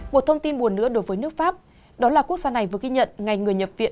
một thông tin buồn nữa đối với nước pháp đó là quốc gia này vừa ghi nhận ngày người nhập viện